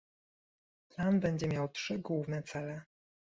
Plan będzie miał trzy główne cele